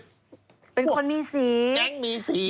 เป็นคนมีสีแก๊งมีสี